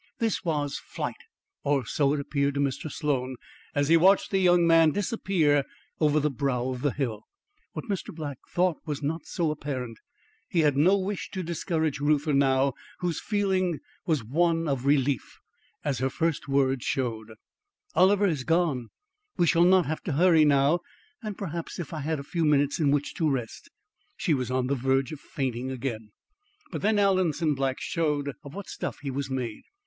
This was flight; or so it appeared to Mr. Sloan, as he watched the young man disappear over the brow of the hill. What Mr. Black thought was not so apparent. He had no wish to discourage Reuther whose feeling was one of relief as her first word showed. "Oliver is gone. We shall not have to hurry now and perhaps if I had a few minutes in which to rest " She was on the verge of fainting again. And then Alanson Black showed of what stuff he was made.